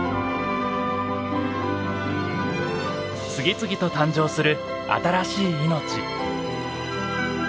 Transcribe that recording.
次々と誕生する新しい命。